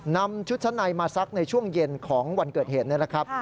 นำชุดชั้นในมาซักในช่วงเย็นของวันเกิดเหตุนี่แหละครับ